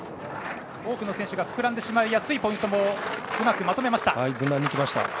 多くの選手が膨らんでしまいやすいポイントも、うまくまとめました。